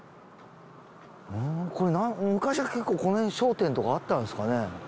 昔は結構このへん商店とかあったんですかね？